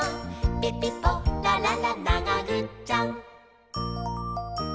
「ピピポラララながぐっちゃん！！」